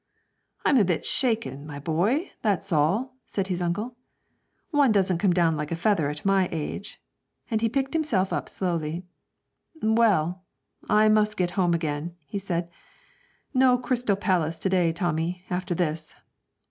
'I'm a bit shaken, my boy, that's all,' said his uncle; 'one doesn't come down like a feather at my age.' And he picked himself slowly up. 'Well, I must get home again,' he said; 'no Crystal Palace to day, Tommy, after this.